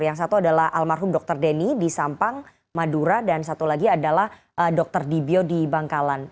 yang satu adalah almarhum dr denny di sampang madura dan satu lagi adalah dr dibyo di bangkalan